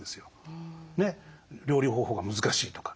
料理方法が難しいとか。